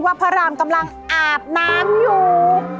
พระรามกำลังอาบน้ำอยู่